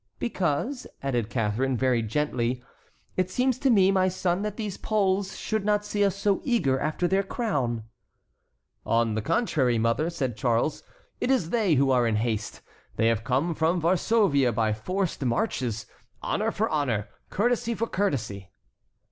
"Because," added Catharine, very gently, "it seems to me, my son, that these Poles should not see us so eager after their crown." "On the contrary, mother," said Charles, "it is they who are in haste. They have come from Varsovia by forced marches. Honor for honor, courtesy for courtesy."